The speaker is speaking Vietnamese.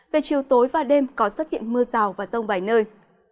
về chiều tối và đêm có xuất hiện mưa rào và rông vài nơi